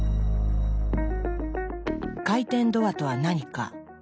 「回転ドア」とは何か。